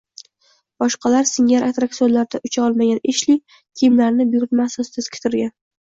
Boshqalar singari attraksionlarda ucha olmagan Eshli kiyimlarini buyurtma asosida tiktirgan